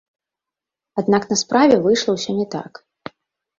Аднак на справе выйшла ўсё не так.